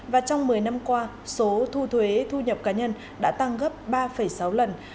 và trong một mươi năm qua số thu thuế thu nhập cá nhân đã tăng gấp ba sáu lần